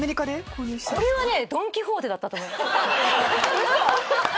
ウソ⁉